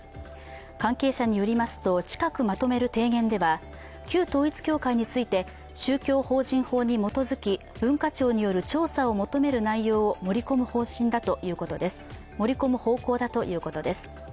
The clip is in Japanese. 関係者によりますと、近くまとめる提言では、旧統一教会について、宗教法人法に基づき文化庁による調査を求める内容を盛り込む方向だということです。